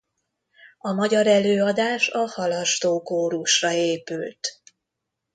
A magyar előadás a Halastó kórusra épült.